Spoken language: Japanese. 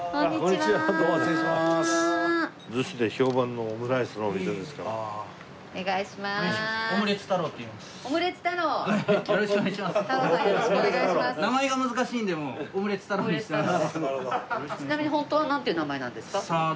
ちなみに本当はなんていう名前なんですか？